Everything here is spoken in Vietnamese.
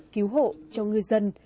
cứu hộ cho người dân